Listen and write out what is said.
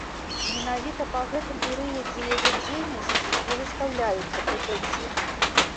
Менавіта па гэтым перыядзе яе дзейнасці і выстаўляюцца прэтэнзіі.